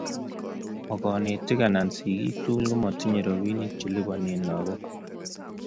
Mo konetik anan sigik tuguk komotinyei robinik che lipone lagokwai